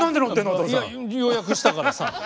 「いや予約したからさ」。